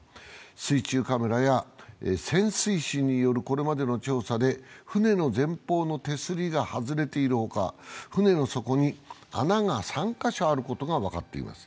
水中カメラや潜水士によるこれまでの調査で船の前方の手すりが外れている他、船の底に穴が３カ所あることが分かっています。